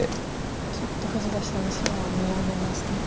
ちょっと富士田七段も空を見上げましたが。